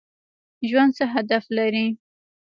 ژوند څه هدف لري؟